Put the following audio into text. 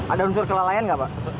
ada unsur kelalaian nggak pak